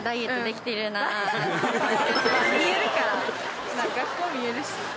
見えるからまあ学校見えるし。